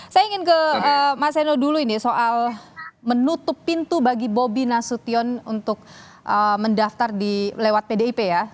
saya ingin ke mas eno dulu ini soal menutup pintu bagi bobi nasution untuk mendaftar lewat pdip ya